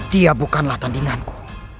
dia bukanlah tandinganku